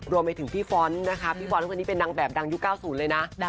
รวมไว้ถึงพี่ฟ้อนด์เป็นดังแบบดังยุคเก้า๐เลยนะ